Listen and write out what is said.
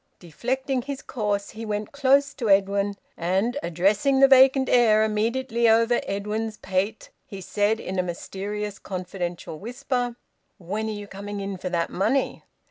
Deflecting his course, he went close to Edwin, and, addressing the vacant air immediately over Edwin's pate, he said in a mysterious, confidential whisper "when are you coming in for that money?"